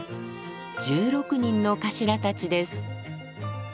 １６人の頭たちです。